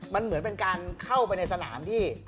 มันเหมือนเป็นการเข้าไปในสนามที่